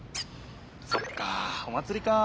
そっかお祭りか。